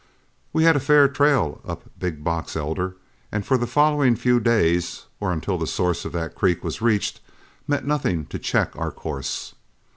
We had a fair trail up Big Box Elder, and for the following few days, or until the source of that creek was reached, met nothing to check our course.